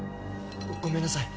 ごめんなさい。